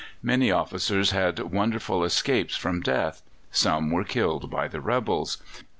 Many officers had wonderful escapes from death; some were killed by the rebels.